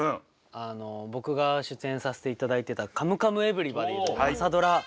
僕が出演させていただいてた「カムカムエヴリバディ」の朝ドラ。